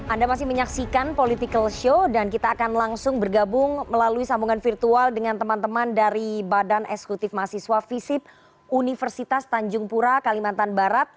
anda masih menyaksikan political show dan kita akan langsung bergabung melalui sambungan virtual dengan teman teman dari badan eksekutif mahasiswa visip universitas tanjung pura kalimantan barat